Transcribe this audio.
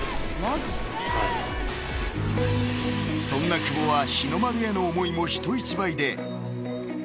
［そんな久保は日の丸への思いも人一倍で］